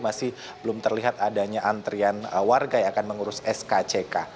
masih belum terlihat adanya antrian warga yang akan mengurus skck